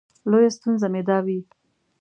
لویه ستونزه مې دا وي.